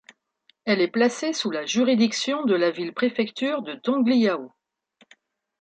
Elle est placée sous la juridiction de la ville-préfecture de Tongliao.